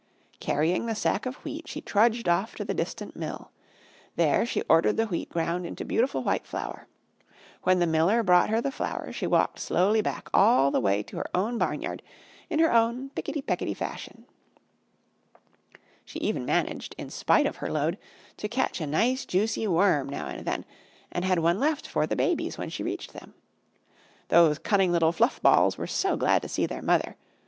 Carrying the sack of Wheat, she trudged off to the distant mill. There she ordered the Wheat ground into beautiful white flour. When the miller brought her the flour she walked slowly back all the way to her own barnyard in her own picketty pecketty fashion. She even managed, in spite of her load, to catch a nice juicy worm now and then and had one left for the babies when she reached them. Those cunning little fluff balls were so glad to see their mother.